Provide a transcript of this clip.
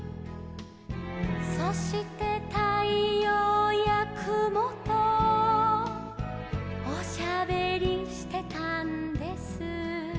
「そしてたいようやくもとおしゃべりしてたんです」